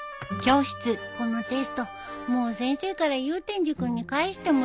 このテストもう先生から祐天寺君に返してもらおうと思うんだ。